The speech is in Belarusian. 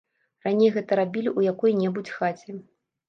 Раней гэта рабілі ў якой-небудзь хаце.